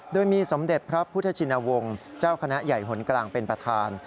โดยมีสมเด็จพระพุทธชินวงศ์เจ้าคณะใหญ่หนกลางเป็นประธาน